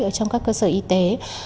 ở trong các cơ sở y tế